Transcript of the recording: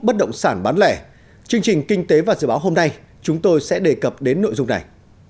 bất động sản bán lẻ chương trình kinh tế và dự báo hôm nay chúng tôi sẽ đề cập đến nội dung này